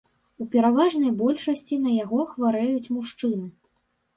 У пераважнай большасці на яго хварэюць мужчыны.